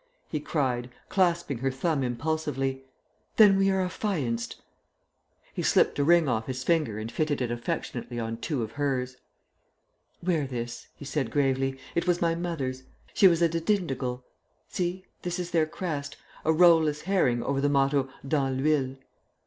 he cried, clasping her thumb impulsively. "Then we are affianced." He slipped a ring off his finger and fitted it affectionately on two of hers. "Wear this," he said gravely. "It was my mother's. She was a de Dindigul. See, this is their crest a roe less herring over the motto Dans l'huile."